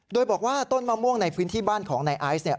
โดยบอกว่าต้นมะม่วงในพื้นที่บ้านของนายไอซ์เนี่ย